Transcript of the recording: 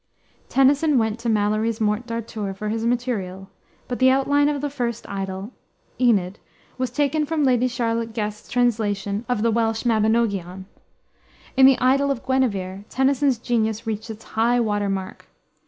Tennyson went to Malory's Morte d' Arthur for his material, but the outline of the first idyl, Enid, was taken from Lady Charlotte Guest's translation of the Welsh Mabinogion. In the idyl of Guinevere Tennyson's genius reached its high water mark.